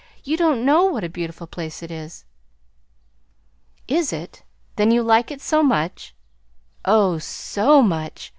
You don't know what a beautiful place it is." "Is it? Then, you like it so much?" "Oh, so much!